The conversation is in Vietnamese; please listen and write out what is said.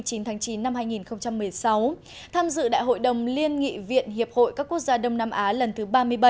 chủ tịch quốc hội nguyễn thị kim ngân đã tham dự đại hội đồng liên nghị viện hiệp hội các quốc gia đông nam á lần thứ ba mươi bảy